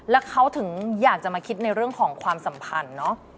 แล้วเขาถึงอยากจะมาคิดในเรื่องของความสัมพันธ์เนอะ